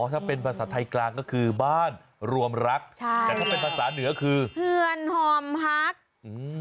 ถ้าเป็นภาษาไทยกลางก็คือบ้านรวมรักใช่แต่ถ้าเป็นภาษาเหนือคือเฮือนหอมฮักอืม